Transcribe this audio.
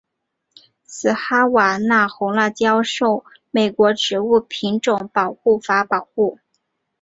此哈瓦那红辣椒受美国植物品种保护法保护。